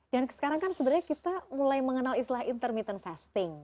dan sekarang kan sebenarnya kita mulai mengenal islah intermittent fasting